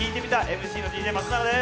ＭＣのＤＪ松永です。